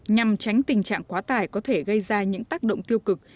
nhằm tránh tình trạng quá tải có thể gây ra những tác động tiêu cực